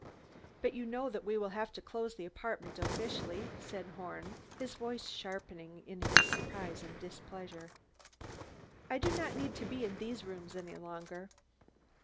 "But you know that we will have to close the apartment officially," said Horn, his voice sharpening in his surprise and displeasure. "I do not need to be in these rooms any longer."